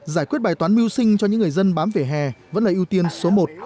giải quyết bài toán mưu sinh cho những người dân bám vỉa hè vẫn là ưu tiên số một